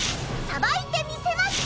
さばいてみせます。